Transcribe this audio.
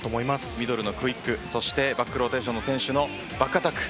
ミドルのクイックバックローテーションの選手のバックアタック。